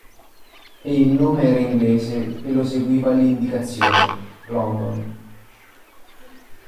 E il nome era inglese e lo seguiva l'indicazione: London.